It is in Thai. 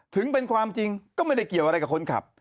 ถึงเป็นความจริงก็ไม่ได้เกี่ยวอะไรกับคนขับ